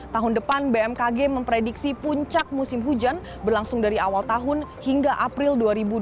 tahun depan bmkg memprediksi puncak musim hujan berlangsung dari awal tahun hingga april dua ribu dua puluh